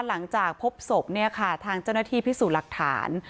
หลังจากพบศพเนี่ยค่ะทางเจ้าหน้าที่พิสูจน์หลักฐาน